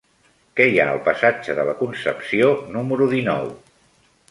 Què hi ha al passatge de la Concepció número dinou?